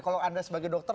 kalau anda sebagai dokter